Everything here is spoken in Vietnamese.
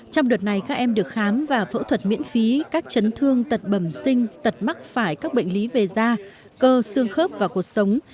trong đợt này các em được khám và phẫu thuật miễn phí các chấn thương tật bẩm sinh tật mắc phải các bệnh lý về da cơ xương khớp và cuộc sống